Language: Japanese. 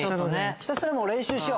ひたすら練習しよう。